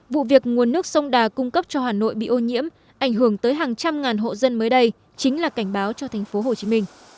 vụ việc nguồn nước sông đà cung cấp cho hà nội bị ô nhiễm ảnh hưởng tới hàng trăm ngàn hộ dân mới đây chính là cảnh báo cho tp hcm